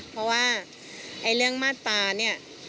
เพราะว่าเรื่องมาตราเนี่ย